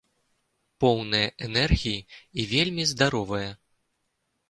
Поўная энергіі і вельмі здаровая.